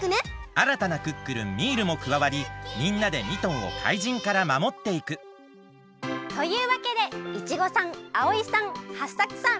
あらたなクックルンミールもくわわりみんなでミトンを怪人からまもっていくというわけでイチゴさんアオイさんハッサクさん